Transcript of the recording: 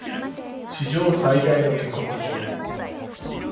史上最大の下剋上